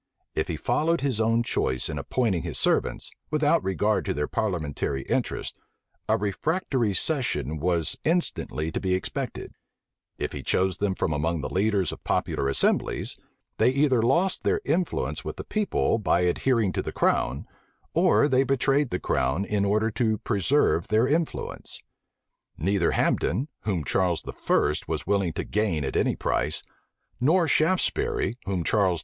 If he followed his own choice in appointing his servants, without regard to their parliamentary interest, a refractory session was instantly to be expected: if he chose them from among the leaders of popular assemblies, they either lost their influence with the people by adhering to the crown, or they betrayed the crown in order to preserve their influence. Neither Hambden, whom Charles I. was willing to gain at any price; nor Shaftesbury, whom Charles II.